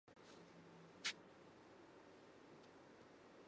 カーテンを閉める